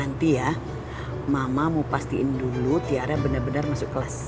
nanti ya mama mau pastiin dulu tiara benar benar masuk kelas